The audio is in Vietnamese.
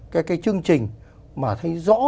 cái chương trình mà thấy rõ